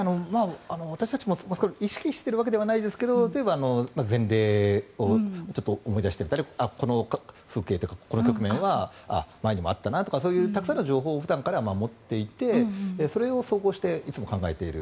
私たちも意識しているわけではないですが例えば、前例をちょっと思い出してこの風景、この局面は前にもあったなというそういうたくさんの情報を普段から持っていてそれを総合していつも考えている。